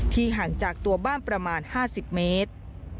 ห่างจากตัวบ้านประมาณ๕๐เมตร